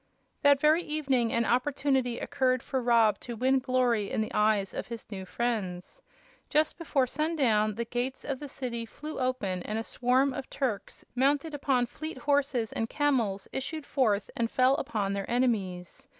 That very evening an opportunity occurred for Rob to win glory in the eyes of his new friends. Just before sundown the gates of the city flew open and a swarm of Turks, mounted upon fleet horses and camels, issued forth and fell upon their enemies.